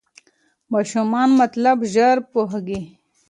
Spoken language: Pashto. ماشومان مطلب ژر پوهېږي.